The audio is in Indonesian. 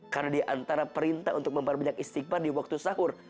karena diantara perintah untuk memperbanyak istighfar di waktu sahur